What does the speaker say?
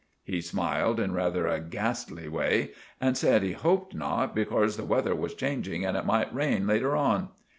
He smiled in rather a gastlie way and said he hoped not, becorse the weather was changeing and it might rain later on.